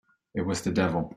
It was the devil!